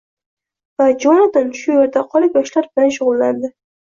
Va Jonatan shu yerda qolib, Yoshlar bilan shug‘ullandi.